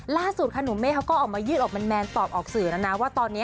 ล่าสุดค่ะหนุ่มเมฆเขาก็ออกมายืดออกแมนตอบออกสื่อแล้วนะว่าตอนนี้